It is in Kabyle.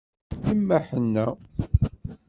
Yemma ḥenna.